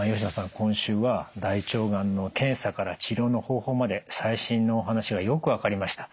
今週は大腸がんの検査から治療の方法まで最新のお話がよく分かりました。